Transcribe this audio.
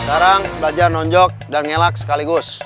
sekarang belajar nonjok dan ngelak sekaligus